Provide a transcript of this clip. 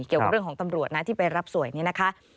เกี่ยวกับเรื่องของตำรวจนะที่ไปรับสวยนี้นะคะ